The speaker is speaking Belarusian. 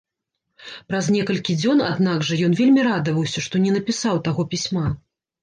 Праз некалькі дзён аднак жа ён вельмі радаваўся, што не напісаў таго пісьма.